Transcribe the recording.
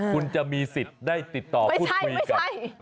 คุณจะมีสิทธิ์ได้ติดต่อพูดคุยกับ